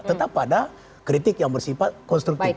tetap pada kritik yang bersifat konstruktif